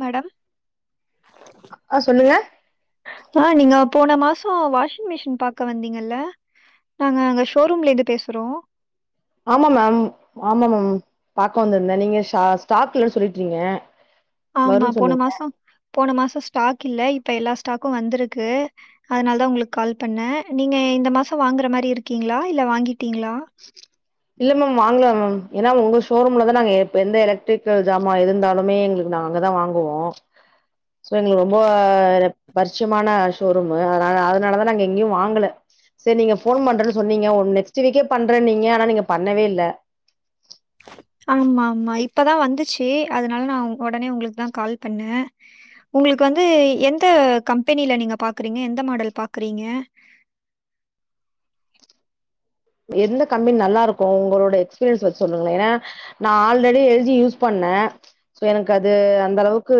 Madam ஆ சொல்லுங்க ஆ நீங்க போன மாசோ வாஷிங் மிஷின் பாக்க வந்தீங்கல்ல நாங்க அங்க ஷோரூம்லேருந்து பேசுறோ ஆமா மேம் ஆமா மேம் பாக்க வந்ருந்தே நீங்க ஸா ஸ்டாக்கில்லன்னு சொல்லிட்றீங்க ஆமா வரும்னு போன சொன்னீங்க மாசோ போன மாசோ ஸ்டாக் இல்ல இப்ப எல்லா ஸ்டாக்கு வந்துருக்கு அதுனால தா உங்ளுக்கு கால் பண்ண நீங்க இந்த மாசோ வாங்ற மாரி இருக்கீங்களா இல்ல வாங்கீட்டீங்களா இல்ல மேம் வாங்கல மேம் எனா உங்க ஷோரூம்ல தா நாங்க எப் எந்த எலக்ட்ரிக்கல் ஜாமா எது இருந்தாலுமே எங் நா அங்கதா வாங்குவோ சோ எங்ளுக்கு ரொம்ப ரெப் பருட்ச்யமான ஷோரூமு அதுனால அதனாலதா நாங்க எங்கியு வாங்குல செர் நீங்க ஃபோன் பண்றேன் சொன்னீங்க ஒ நெக்ஸ்ட்டு வீக்கே பண்றேனீங்க ஆனா நீங்க பண்ணவே இல்ல ஆமாம்மா இப்பதா வந்துச்சு அதுனால் நா ஒடனே உங்ளுக்குதா கால் பண்ண உங்ளுக்கு வந்து எந்த கம்பெனில நீங்க பாக்குறீங்க எந்த மாடல் பாக்குறீங்க எந்த கம்மெனி நல்லா இருக்கு உங்களோட எக்ஸ்பீரியன்ஸ் வச் சொல்லுங்களே ஏனா நா ஆல்ரெடி எல் ஜி யூஸ் பண்ண சோ எனக் அது அந்தளவுக்கு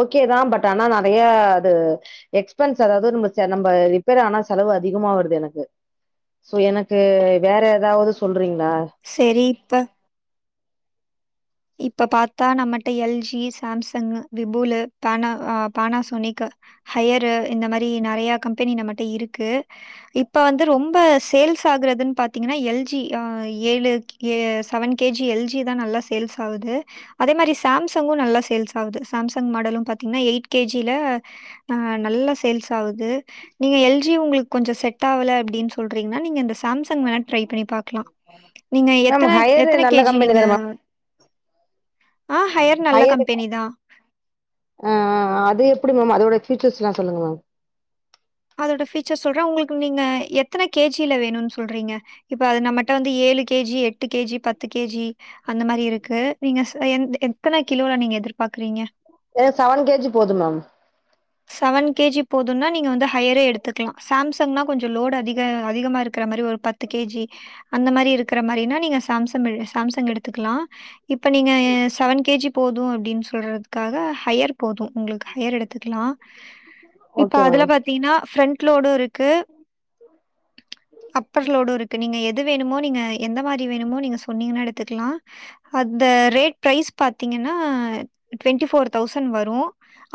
ஓகேதா பட் ஆனா நெறைய அது எக்ஸ்பென்ஸ் அதாவ்து நம்ம ச நம்ப ரிப்பேர் ஆனா செலவு அதிகமா வருது எனக்கு சோ என க்கு வேற எதாவது சொல்றீங்ளா சேரி இப்ப இப்ப பாத்தா நம்மட்ட எல் ஜி சாம்சங் விபுலு பேனா அ பேனாசோனிக்கு ஹையரு இந்த மாரி நெறைய கம்பெனி நம்மட்ட இருக்கு இப்ப வந்து ரொம்ப சேல்ஸ் ஆகுறதுன் பாத்தீங்கனா எல் ஜி ஆ ஏழு ஏ seven K G L G தா நல்லா சேல்ஸ் ஆகுது அதே மாரி சாம்சங்கு நல்லா சேல்ஸ் ஆகுது சாம்சங் மாடலு பாத்தீங்னா எய்ட் கே ஜி ல ஆ நல்லா சேல்ஸ் ஆகுது நீங்க எல் ஜி உங்குளுக் கொஞ்சோ செட்டாவுல அப்டின் சொல்றீங்னா நீங்க இந்தஸ் சாம்சங் வேணா ட்ரை பண்ணி பாக்லா நீங்க மேம் எத்தன ஹையரு எத்தன நல்ல கே ஜி நீங்க ஆ ஹையர் நல்ல ஹயரு கம்பெனி தான். ஆ அது எப்டி மேம் அதோட ஃபுயூச்சர்ஸ்லா சொல்லுங்க மேம் அதோட ஃபியூச்சர் சொல்ற உங்ளுக்கு நீங்க எத்தன கே ஜி ல வேணுன் சொல்றீங்க இப்ப அது நம்மட்ட வந்து ஏழு கே ஜி எட்டு கே ஜி பத் து கே ஜி அந்த மாரி இருக்கு நீங்க சொ எந் எத்தன கிலோல நீங்க எதிர்பாக்குறீங்க எனக் சவன் கே ஜி போது மேம் சவன் கே ஜி போதுனா நீங்க வந்து ஹயரே எடுத்துக்லா சாம்சங்னா கொஞ்சோ லோடு அதிக அதிகமா இருக்கிற மாரி ஒரு பத்து கே ஜி அந்த மாரி இருக்கிற மாரினா நீங்கள் சாம்சம்மு சாம்சங் எடுத்துக்குலா இப்ப நீங்க சவன் கே ஜி போது அப்டின் சொல்றதுக்காக ஹையர் போது உங்ளுக் ஹயர் எடுத்துக்குலா இப்ப ஓகே அதுல மேம் பாத் தீனா ஃபிரண்ட் லோடு இருக்கு அப்பர்லோடு இருக்கு நீங்க எது வேணுமோ நீங்க எந்த மாரி வேணுமோ நீங்க சொன்னீங்கனா எடுத்துக்குலா அந்த ரேட் பிரைஸ் பாத்தீங்கனா டுவென்டி ஃபோர் தௌசண் வரு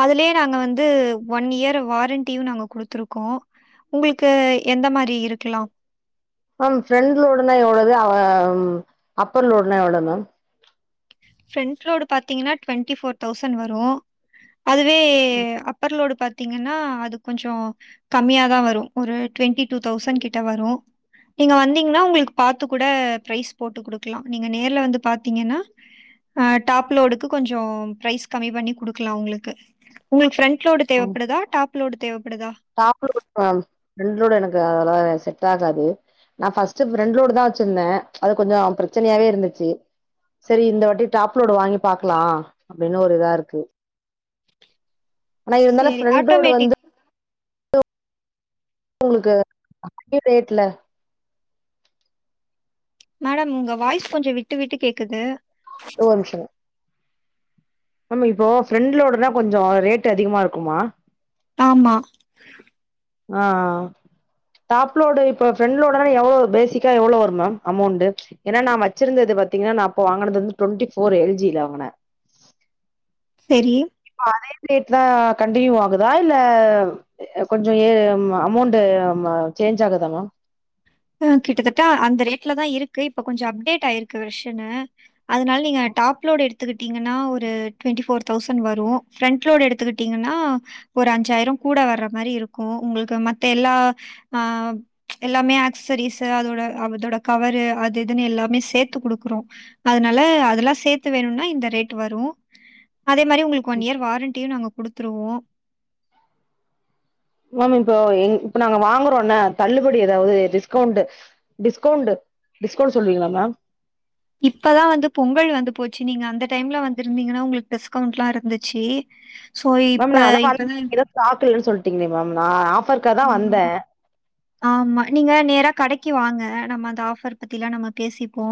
அதுலே நாங்க வந்து ஒன் இயர் வாரண்டியு நாங்க குடுத்துருக்கோ உங்ளுக்கு எந்த மாரி இருக்குலா மேம் ஃபிண்ட் லோடுனா எவுளவு அவ ம் அப்பர் லோடுனா எவ்ளோ மேம் ஃபிரண்ட் லோடு பாத்தீங்குனா டுவென்ட்டி ஃபோர் தௌசண் வரு அதுவே அப்பர்லோடு பாத்தீங்கனா அது கொஞ்சோ கம்மியாதா வரு ஒரு டுவென்ட்டி டூ தௌசண் கிட்ட வரு நீங்க வந்தீங்னா உங்ளுக்கு பாத்து கூட ப்ரைஸ் போட்டு குடுக்குலா நீங்க நேர்ல வந்து பாத்தீங்கனா அ டாப் லோடுக்கு கொஞ்சோ ப்ரைஸ் கம்மி பண்ணி குடுக்குலா உங்ளுக்கு உங்ளுக் ஃபிரண் ட் லோடு தேவப்படுதா டாப் லோடு தேவப்படுதா top load ma'am front load எனக்கு அதெல்லா செட்டாகாது நா ஃபஸ்ட்டு ஃபிரெண்ட் லோடுதா வச்சிருந்த அது கொஞ்சோ பிரச்சனையாவே இருந்துச்சு செரி இந்த வாட்டி டாப்லோடு வாங்கி பாக்குலா அப்டின்னு ஒரு இதா இருக்கு ஆனா இருந்தாலு சரி ஃபிரண்ட் லோடு ஆட்டோமேட்டிக் வந்து உங்ளுக்கு கம்மி ரேட்ல மேடம் உங்க வாய்ஸ் கொஞ்ச விட்டு விட்டு கேக்குது இந்த ஒர் நிமிஷங்க மேம் இப்போ ஃப்ரண்டு லோடுனா கொஞ்சோ ரேட்டு அதிகமா இருக்குமா ஆமா ஆ ஆ டாப் லோடு இப்ப ஃப்ரெண்ட்லோடன எவ்ளோ பேசிக்கா எவ்ளோ வரு மேம் அமௌண்டு ஏனா நா வச்சிருந்தது பாத்தீங்னா நா அப்ப வாங்கினது வந் டுவெண்டிஃபோர் எல் ஜி ல வாங்கன செரி இப்ப அதே ரேட் தா கண்டினியூ ஆகுதா இல்ல கொஞ்ச ஏ அம் அமௌண்டு ம சேஞ்ச் ஆகுதா மேம் கிட்டத்தட்ட அந்த ரேட்ல தா இருக்கு இப்ப கொஞ்ச அப்டேட் ஆயிருக்கு வெர்ஷனு அதனால நீங்க டாப்லோடு எடுத் த்துக்கிட்டிங்கனா ஒரு டுவெண்ட்டி ஃபோர் தௌசண்ட் வரு ஃப்ரண்ட்லோடு எடுத்துக்கிட்டிங்கனா ஒரு அஞ்சாயிர கூட வர்ற மாரி இருக்கு உங்ளுக்கு மத்த எல்லா அ எல்லாமே ஆக் சரிஸ்ஸூ அதோட அதோட கவரு அது இதுனு எல்லாமே சேத்து குடுக்குறோ அதுனால அதெல்லா சேத்து வேணுனா இந்த ரேட்டு வரு அதே மாரி உங்ளுக்கு ஒன் இயர் வாரண்ட்டியு நாங்க குடுத்துருவோ மேம் இப்போ எங் இப்ப நாங்க வாங்குறோன தள்ளுபடி ஏதாவது டிஸ்கவுண்டு டிஸ்கவுண்டு டிஸ்கவுண்ட் சொல்றீங்ளா மேம் இப்பதா வந்து பொங்கல் வந்து போச்சு நீங்க அந்த டைம்ல வந்திர்ந்தீங்கனா உங்ளுக்கு டிஸ்கவுண்ட்லா இருந்திச்சி சோ மேம் நா இப்ப அதா இப்பதா ஏதோ ஸ்டாக் இல்லன் சொல்ட்டீங்ளே மேம் நா ஆஃபர் ஆமாங்க அமனா ஆமா நீங்க நேரா கடைக்கி வாங்க நம்ம அந்த ஆஃபர் பத்திலா நம்ம பேசிப்போ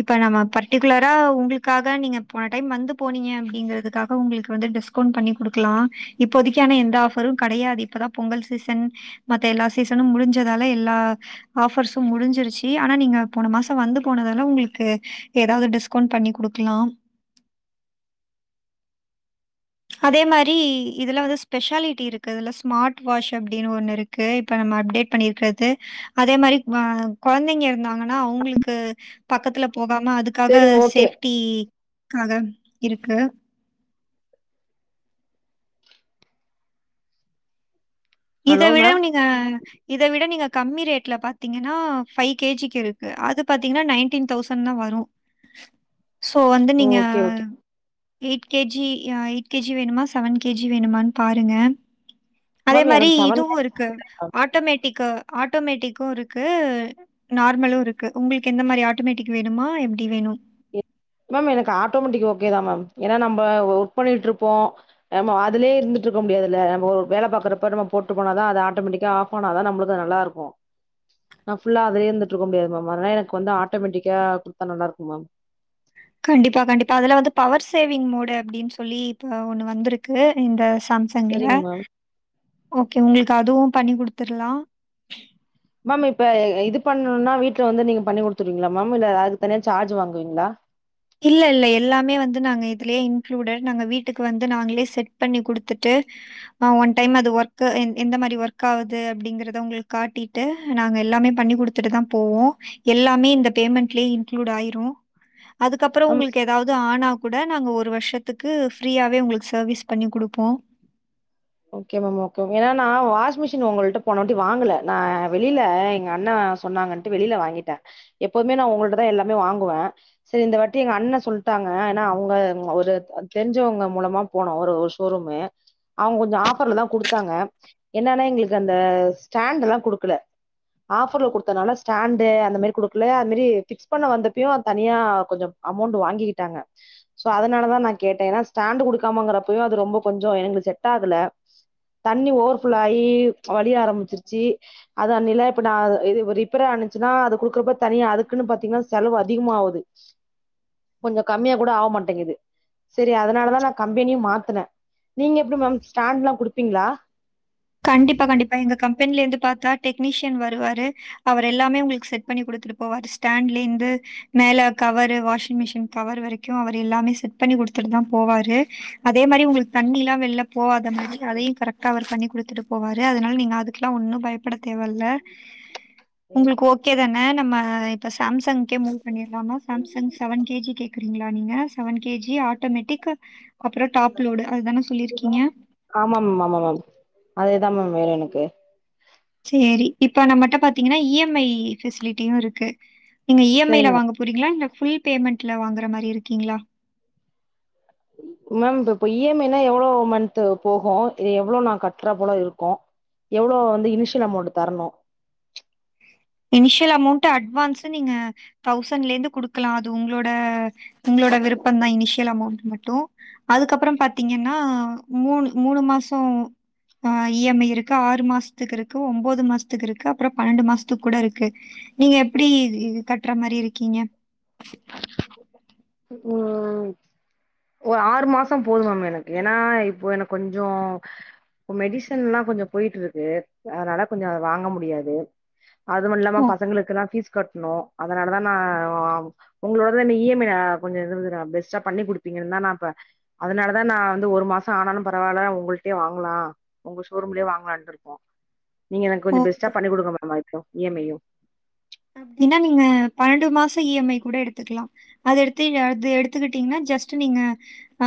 இப்ப நம்ம பர்டிகுலரா உங்ளுக்காக நீங்க போன டைம் வந்து போனீங்க அப்டிங்றதுக்காக உங்ளுக்கு வந்து டிஸ்க் கவுண்ட் பண்ணி குடுக்லா இப்போதிக்கி அனா எந்த ஆஃபரு கடையாது இப்பதா பொங்கல் சீசன் மத்த எல்லா சீசனு முடிஞ்சதால எல்லா ஆஃபர்ஸு முடிஞ்சிருச்சு ஆனா நீங்க போன மாசம் வந்து போனதால உங்ளுக்கு ஏதாவது டிஸ்கவுண்ட் பண்ணி குடுக்லாம் அதே மாரி இதுல வந்து ஸ்பெஷாலிட்டி இருக்கு இதுல ஸ்மார்ட் வாஷ் அப்டினு ஒண்ணிருக் கு இப்ப நம்ம அப்டேட் பண்ணிர்க்கர்து அதே மாரி ஆ கொழந்தைங்க இருந்தாங்கனா அவுங்ளுக்கு பக்கத்துல போகாம அதுக் காக சேரிங்க ஓகே சேஃப்டிக்காக இருக்கு இத ஹலோ விடவு மேம் நீங்க இத விட நீங்க கம்மி ரேட்ல பாத்தீங்கனா ஃபை கேஜிக்கு இருக்கு அது பாத்தீங்கனா நைன் ட்டீன் தௌசன்தாவரு சோ வந்து நீங்க okay okay eight K G அ எயிட் கே ஜி வேணுமா செவன் கே ஜி வேணுமான் பாருங்க அதே மேம் மாரி எனக்கு இதுவுருக்கு செவன் ஆட்டோமேட்டிக்கு ஆட்டோமேட்டிக்கு இருக்கு நார்மலுருக்கு உங்ளுக்கு எந்த மாரி ஆட்டோமேட்டிக் வேணுமா எப்டி வேணு மேம் எனக்கு ஆட்டோமிட்டிக் ஓகே தா மேம் ஏனா நம்ப ஒர்க் பண்ணிட்ருப்போ நம்மோ அதுலே இருந்துட்ருக்க முடியாது ல நம்மோ வேல பாக்றப்ப நம்ம போட்டு போனாலு அது ஆட்டோமெட்டிக்கா ஆஃப் ஆன தா நம்ளுக்கு நல்லாருக்கு நா ஃபுல்லா அதுலே இருந்துட்ருக்க முடியாது மேம் அதனால எனக் வந்து ஆட்டோமேட்டிக்கா குட்த்தா நல்லாருக்கு மேம் கண்டிப்பா கண்டிப்பா அதுல வந்து பவர் சேவிங் மோடு அப்டின் சொல்லி இப்ப ஒண்ணு வந்துருக்கு இந்த சாம்ச தங்ல சரிங்க மேம் ஓகே உங்கள்க்கு அதுவு பண்ணி குடுத்துர்லா மேம் இப்ப இது பண்ணுனா வீட்ல வந்து நீங்க பண்ணி குடுத்துர்வீங்ளா மேம் இல்ல அதுக்கு தனியா சார்ஜ் வாங்குவீங்ளா இல்ல இல்ல எல்லாமே வந்து நாங்க இதுலயே இன்க்ளூடட் நாங்க வீட்டுக்கு வந்து நாங்களே செட் பண்ணி குடுத்துட்டு ஆ ஒன் டைம் அது ஒர்க் எந்த மாரி ஒர்க் ஆவுது அப்டிங்குறத உங்களுக் காட்டி டு நாங்க எல்லாமே பண்ணி குடுத்துட்டுதா போவோ எல்லாமே இந்த பேமெண்ட்லயே இன்க்ளூடட் ஆய்ரு அதுக்கப்பற மேம் உங்களுக்கு எ தாவது ஆனா கூட நாங்க ஒரு வருஷத்துக்கு ஃப்ரீயாவே உங்கள்க்கு சர்வீஸ் பண்ணி குடுப்போ ஓகே மேம் ஓகே ஏன்னா வாஷிமிஷின் ஒங்கள்ட்ட போனாட்டி வாங்கல நா வெளில எங்க அண்ணா சொன்னாங்கன் ட்டு வெளில வாங்கிட்ட எப்பவுமே நா ஒங்கள்ட்டதா எல்லாமே வாங்குவ செரி இந்த வாட்டி எங்க அண்ண சொல்ட்டாங்க ஏன்னா அவங்க ஒரு தெரிஞ்சவங்க மூலமா போனோ ஒரு ஒரு ஷோருமு அவுங்க கொஞ்சோ ஆஃபர்லதா குடுத்தாங்க என்னனா எங்களுக்கு அந்த ஸ்டாண்டுதா குடுக்கல ஆஃபர்ல குடுத்தனால ஸ்டாண்டு அந்த மாரி குடுக்கல அது மாரி ஃபிக்ஸ் பண்ண வந்தப்பயு தனியா கொஞ்சோ அமௌண்ட் வாங்கிகிட்டாங்க சோ அதனாலதா நா கேட்ட ஏன்னா ஸ்டாண்ட் குடுக்காமங்குறப்பயு அது ரொம்ப கொஞ்சோ எங்களுக்கு செட் ஆகல தண்ணி ஓவர்ஃப்லோ ஆயி வலிய ஆரம்பிச்சிருச்சு அத அன்னைல இப்ப நா இது ரிப்பேர் ஆனுச்சுன்னா அது குடுக்குறப்ப தனியா அதுக்குன் பாத்தீங்கன்னா செலவு அதிகமா ஆவுது கொஞ்ஜோ கம்மியா கூட ஆவ மாட்டேங்குது செரி அதனாலதா நா கம்பெனியு மாத்துன நீங்க எப்டி மேம் ஸ்டாண்ட்ல்லா குடுப்பீங்ளா கண்டிப்பா கண்டிப்பா எங்க கம்பென்ல இருந்து பாத்தா டெக்னீஷியன் வருவாரு அவரு எல்லாமே உங்களுக்கு செட் பண்ணி குடுத்துட்டு போவாரு ஸ்டாண்ட்லருந்து மேல கவரு வாஷிங் மிஷின் கவரு வரைக்கு அவர் எல்லாமே செட் பண்ணி குடுத்துட்டு தா போவாரு அதே மாரி உங்களுக்கு தண்ணில்லா வெளில போவாத மாரி அதையு கரெக்டா அவர் பண்ணி குடு திரு போவாரு அதனால நீங்க அதுக்குல்லா ஒன்னு பயப்பட தேவல்ல உங்களுக்கு ஓக் கே தான நம்ம இப்ப சாம்சங்க்கே மூவ் பண்ணிர்லாமா சாம்சங் செவன் கேஜி கேக் கிறிக்லா நீங்க செவன் கேஜி ஆட்டோமேட்டிக் அப்றோ டாப் லோடு அதுதான சொல்லிருக்கீங்க ஆமா மேம் ஆமா மேம் அதேதா மேம் வேணு எனக்கு சேரி இப்ப நம்மட்ட பாத்தீங்கன்னா இ எம் ஐ பெசிலிட்டியு இருக்கு நீங்க இ எம் ஐ சரிங்க ல வாங்க போறிங்ளா இல்ல ஃபுல் பேமெண்ட்ல வாங்குற மாரி இருக்கீங்ளா மேம் இதோ இப்ப இ எம் ஐ னா எவ்ளோ மந்த் போகு இது எவ்ளோ நா கட்ற போல இருக்கு எவ்ளோ வந்து இனிஷியல் அமௌண்ட் தரணு இனிஷியல் அமௌண்ட் அட்வான்ஸு நீங்க தௌசண்ட்லருந்து குடுக்கலா அது உங்களோட உங்களோட விருப்ப தா இனிஷியல் அமௌண்ட் மட்டு அதுக்கப்ற பாத்தீங்கன்னா மூணு மூணு மாசோ ஆ இ எம் ஐ இருக்கு ஆறு மாசத்துக்கு இருக்கு ஒம்போது மாசத்துக்கு இருக்கு அப்ற பன்னெண்டு மாசத் க்கு கூட இருக்கு நீங்க எப்டி கட்ற மாரி இருக்கீங்க ம் நா ஒரு ஆறு மாச போது மேம் எனக்கு ஏன்னா இப்போ எனக்கு கொஞ்சோ இப்போ மெடிசன்லா கொஞ்சோ போய்ட்ருக்கு அதனால கொஞ்சோ அத வாங்க முடியாது அதுவு இல்லாம ஓ! பசங்களுக்குல்லா ஃபீஸ் கட்ணு அதனாலதா நா உங்களோடதா இ எம் ஐ ஆ கொஞ்சோ இதுன்விரா பெஸ்டா பண்ணி குடுப்பீங்கனுதா நா இப்ப அதனாலதா நா வந்து ஒரு மாச ஆனாலு பரவால்ல உங்கள்ட்டயே வாங்கலா உங்க ஷோரூம்லயே வாங்கலான்ட்ருக்கோ நீங்க எனக்கு கொஞ்சம் ஓ! பெஸ்ட்டா பண்ணி குடுக்க முடியுமா இப்போ இ எம் ஐயி அப்டின்னா நீங்க பன்னெண்டு மாசோ இ எம் ஐ கூட எடுத்துக்லாம் அது எடுத்துத்தீக அது எடுத்துக்கிட்டீங்ன்னா ஜஸ்ட்டு நீங்க ஆ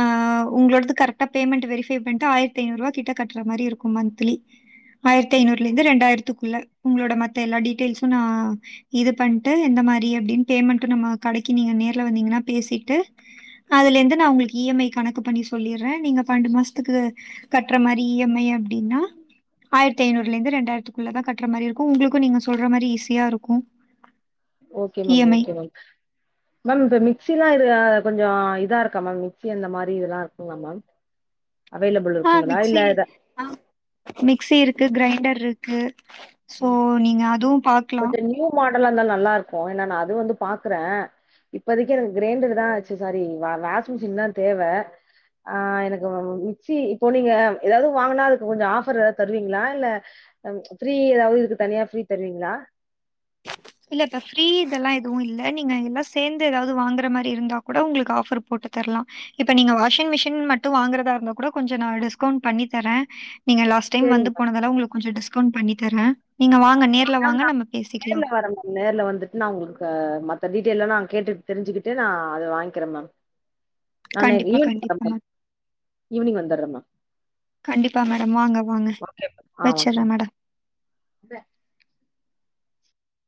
உங்களோடது கரெக்ட்டா பேமெண்ட்டு வெரிஃபை பண்ணிட்டு ஆயிரத்தி ஐநூறுபா கிட்ட கட்ற மாரி இருக்கும் மந்த்லி ஆயிரத்த ஐநூறுலருந்து ரெண்டாயிரத்துக்குள்ள உங்ளோட மத்த எல்லா டீட்டெயில்ஸும் நா இது பண்ட்டு எந்த மாரி அப்டின் பேமண்ட்டு நம்ம கடைக்கு நீங்க நேர்ல வந்தீங்கன்னா பேசிட்டு அதுலேந்து நா உங்குளுக்கு இ எம் ஐ கணக்கு பண்ணி சொல்லீற நீங்க பன்னெண்டு மாசத்துக்கு கட்ற மாரி இ எம் ஐ அப்டின்னா ஆயிரத்தி ஐநூறுலேந்து ரெண்டாயிரத்துக் குள்ள தா கட்ற மாரி இருக்கும் உங்குளுக்கு நீங்க சொல்ற மாரி ஈஸியா இருக்கும் okay ma'am EMI. Okay ma'am ma'am இப்ப மிக்சிலா இது கொஞ்சோ இதா இருக்கா மேம் மிக்ஸி அந்த மாரி இதுல்லா இருக்குங்ளா மேம் மேம் அவைலபிள் ஆ இருக்குங்களா இல்ல மிக்ஸி இத ஆ மிக்ஸிருக்கு கிரைண்டருக்கு ஒத்துரு நியூ மாடல்லா இருந்தா நல்லா இருக்கு ஏன்னா நா அதுவு வந்து பாக்குற இப்போதைக்கி எனக்கு கிரைண்டர் தா ச்சு சாரி வா வாஷிங் மிஷின் தா தேவ ஆ எனக்கு வந் மிக்ஸி இப்போ நீங்க ஏதாவது வாங்குனா அதுக்கு கொஞ்சோ ஆஃபர் எதாவ்து தருவீங்ளா இல்ல ஃப்ரீ எதாவ்து இதுக்கு தனியா ஃப்ரீ தருவீங்ளா இல்லக்கா ஃப்ரீ இதெல்லாம் எதுவும் இல்ல நீங்க எல்லாம் சேந்து எதாவ்து வாங்குற மாரி இருந்தா கூட உங்களுக்கு ஆஃபர் போட்டு தர்லா இப்ப நீங்க வாஷிங் மிஷின் மட்டும் வாங்குறதா இருந்தா கூட கொஞ்ச நா டிஸ்கவுண்ட் பண்ணி தர நீங்க லாஸ்ட் டைம் சேரிங்க வந்து மேம் போனதால உங்ளுக் கொஞ்சோ டிஸ்கவுண்ட் பண்ணி தர நீங்க வாங் க நேர்ல ஆனா வாங்க நம்ம பேசிக்லா நேர்ல வரேன் நேர்ல வந்துட்டு நா உங்குகிட்ட மத்த டீட்டெயில்லா நா கேட்டு தெரிஞ்சுகிட்டு நா அத வாய்ங்க்கிற மேம் [inaudible] நா கண்டிப்பா [inaudible] மேம் ஈவ்னிங் வந்துர்ற மா கண்டிப்பா மேடம் வாங்க வாங்க ஓகே மேம் ஆ ஓகே வச்சட்ற மேடம் மேம்